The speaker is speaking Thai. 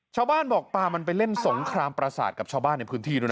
ชาวบ้านบอกปลามันไปเล่นสงครามประสาทกับชาวบ้านในพื้นที่ด้วยนะ